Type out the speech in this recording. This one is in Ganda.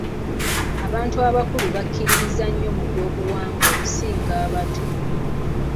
Abantu abakulu bakkiririzza nnyo mu byobuwangwa okusinga abato.